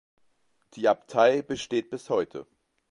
Die Abtei besteht bis heute.